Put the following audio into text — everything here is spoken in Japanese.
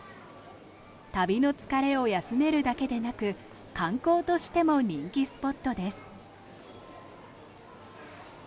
旅の疲れを休めるだけでなく観光としても人気スポットです。